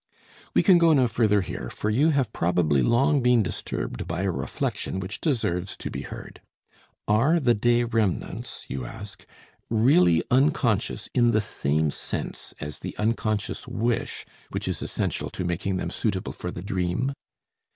We can go no further here, for you have probably long been disturbed by a reflection which deserves to be heard. Are the day remnants, you ask, really unconscious in the same sense as the unconscious wish which is essential to making them suitable for the dream?